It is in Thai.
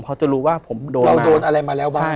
เขาจะรู้ว่าผมโดนเราโดนอะไรมาแล้วบ้าง